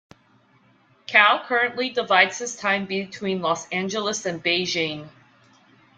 Kao currently divides his time between Los Angeles and Beijing.